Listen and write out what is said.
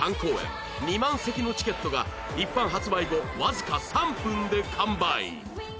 ２万席のチケットが一般発売後わずか３分で完売